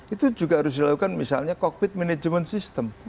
itu juga harus dilakukan misalnya cockpit manajemen sistem